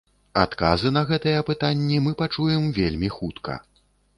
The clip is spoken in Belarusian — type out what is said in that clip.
Адказы на гэтыя пытанні мы пачуем вельмі хутка.